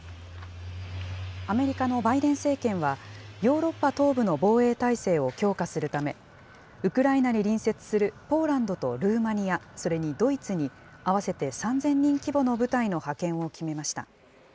アメリカのバイデン政権は、ヨーロッパ東部の防衛態勢を強化するため、ウクライナに隣接するポーランドとルーマニア、それにドイツに合わせて３０００人規模の部隊の派遣を決めました。